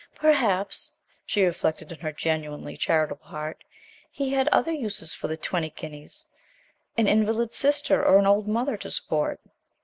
"Perhaps," she reflected in her genuinely charitable heart, "he had other uses for the twenty guineas, an invalid sister or an old mother to support!"